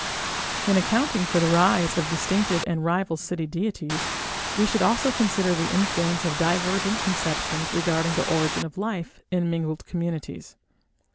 In accounting for the rise of distinctive and rival city deities, we should also consider the influence of divergent conceptions regarding the origin of life in mingled communities.